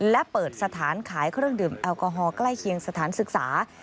และเปิดสถานขายเครื่องดื่มแอลกอฮอล์ใกล้เคียงสถานศึกษา